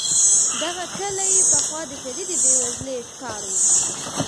دغه کلی پخوا د شدیدې بې وزلۍ ښکار و.